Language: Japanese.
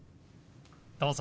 どうぞ。